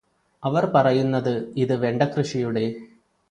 അവര് പറയുന്നത് ഇത് വെണ്ടകൃഷിയുടെ